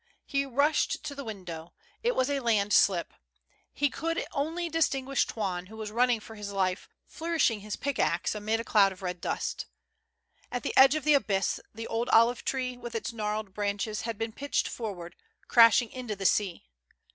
He rushed to the window. It was a landslip. He could only distinguish Toine, who was running for his life, flourishing his pickaxe, amid a cloud of red dust. At the edge of the abyss the old olive tree, with its gnarled branches, had been pitched forward, crashing into the sea.